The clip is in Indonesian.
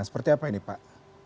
seperti apa ini pak